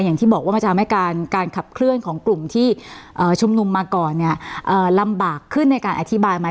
อย่างที่บอกว่ามันจะทำให้การขับเคลื่อนของกลุ่มที่ชุมนุมมาก่อนเนี่ยลำบากขึ้นในการอธิบายไหม